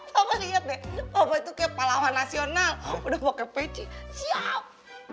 papa lihat deh papa itu kayak palawan nasional udah pakai peci siap